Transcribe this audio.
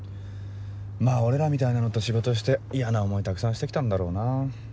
まぁ俺らみたいなのと仕事して嫌な思いたくさんして来たんだろうな。